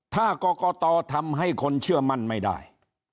ถ้ากรกตทำให้คนเชื่อมั่นไม่ได้